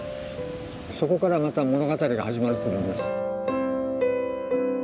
そこからまた物語が始まると思います。